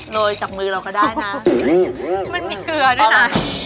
โรยจากมือเราก็ได้นะมันมีเกลือด้วยนะ